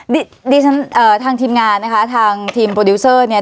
ดิฉันเอ่อทางทีมงานนะคะทางทีมโปรดิวเซอร์เนี่ย